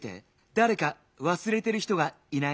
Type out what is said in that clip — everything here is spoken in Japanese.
だれかわすれてる人がいない？